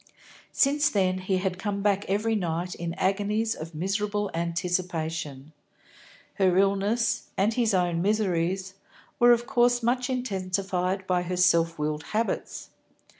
Since then, he had come back every night in agonies of miserable anticipation. Her illness, and his own miseries, were of course much intensified by her self willed habits.